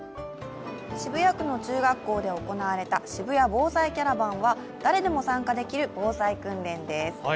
渋谷区の中学校で行われた渋谷防災キャラバンは、誰でも参加できる防災訓練です。